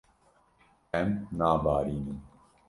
Em nabarînin.